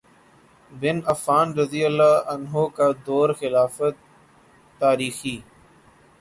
بن عفان رضی اللہ عنہ کا دور خلافت وہ تاریخی